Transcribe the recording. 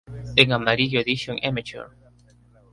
En amarillo: edición amateur